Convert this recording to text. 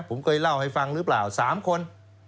ผมเคยเล่าให้ฟังหรือเปล่า๓คน